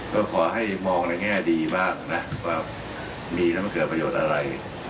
ก็ขอให้มองในแง่ดีบ้างนะว่ามีแล้วมันเกิดประโยชน์อะไร